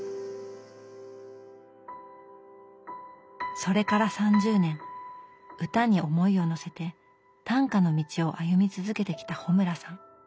それから３０年歌に思いをのせて短歌の道を歩み続けてきた穂村さん。